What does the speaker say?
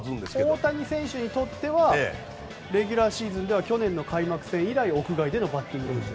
大谷選手にとってはレギュラーシーズンである去年の開幕戦以来屋外でのバッティング練習。